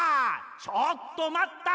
ちょっとまった！